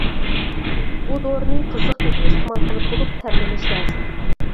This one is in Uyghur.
بۇ دورىنى قىزىق پېتى ئىستېمال قىلىپ بولۇپ تەرلىنىش لازىم.